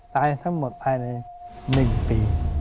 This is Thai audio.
ตายทั้งหมดภายใน๑ปี